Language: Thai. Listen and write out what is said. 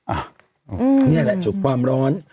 อ่ะนี่แหละจุดความร้อน